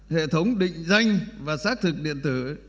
hệ thống định danh và xác thực điện tử